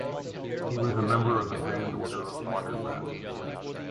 He was a member of the Grand Order of Water Rats.